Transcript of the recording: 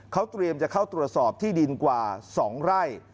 เขาเตรียมจะเข้าตรวจสอบที่ดินกว่า๒ไร่